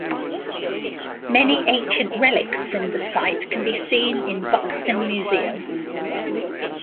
Many ancient relics from the site can be seen in Buxton Museum.